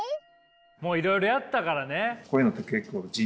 もういろいろやったからね。